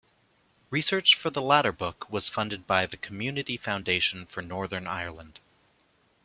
Research for the latter book was funded by the Community Foundation for Northern Ireland.